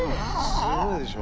すごいでしょ。